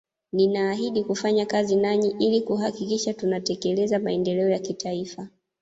Ninaahidhi kufanya kazi nanyi ili kuhakikisha tunatekeleza maendeleo ya kitaifa